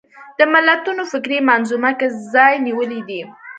د ملتونو فکري منظومه کې ځای نیولی دی